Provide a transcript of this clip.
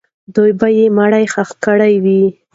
دوی به یې مړی ښخ کړی وي.